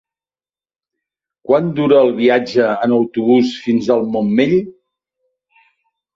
Quant dura el viatge en autobús fins al Montmell?